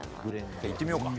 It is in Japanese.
じゃあいってみようか。